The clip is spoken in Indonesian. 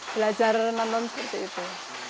belajar menon seperti itu